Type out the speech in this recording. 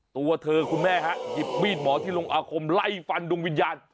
ตัวเธอคุณแม่ฮะหยิบมีดหมอที่ลงอาคมไล่ฟันดวงวิญญาณ